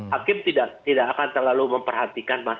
hakim tidak akan terlalu memperhatikan